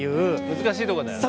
難しいとこだよな。